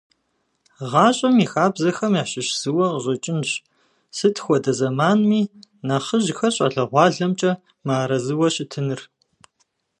ГъащӀэм и хабзэхэм ящыщ зыуэ къыщӀэкӀынщ, сыт хуэдэ зэманми нэхъыжьхэр щӀалэгъуалэмкӀэ мыарэзыуэ щытыныр.